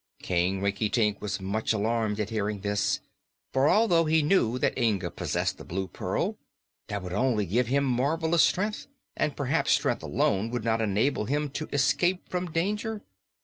King Rinkitink was much alarmed at hearing this, for although he knew that Inga possessed the Blue Pearl, that would only give to him marvelous strength, and perhaps strength alone would not enable him to escape from danger.